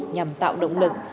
nhằm tạo động lực